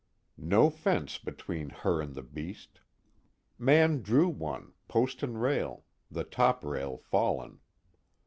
No fence between her and the beast. Mann drew one, post and rail, the top rail fallen.